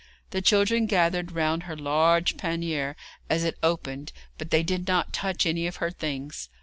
The children gathered round her large pannier as it opened, but they did not touch any of her things.